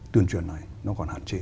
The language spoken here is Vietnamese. tuyên truyền này nó còn hạn chế